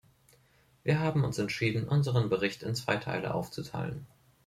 Wir haben uns entschieden, unseren Bericht in zwei Teile aufzuteilen.